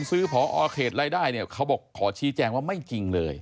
ซื้อพอเขตรายได้เนี่ยเขาบอกขอชี้แจงว่าไม่จริงเลย